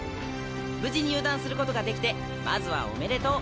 無事入団することができてまずはおめでとう。